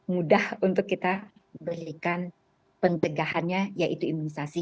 mudah untuk kita berikan pencegahannya yaitu imunisasi